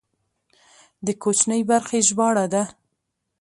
د کوچنۍ برخې ژباړه ده.